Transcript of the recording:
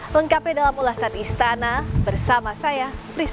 lengkapi dalam ulasan istana bersama saya priscila